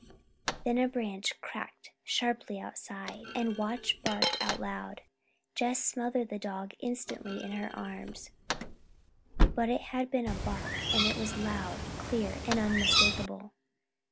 Then a branch cracked sharply outside, and Watch barked out loud. Jess smothered the dog instantly in her arms. But it had been a bark and it was loud, clear, and unmistakable.